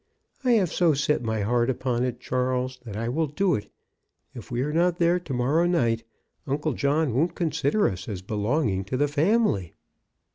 I have so set my heart upon it, Charles, that I will do it. If we are not there to morrow night, Uncle John won't consider us as belonging to the family."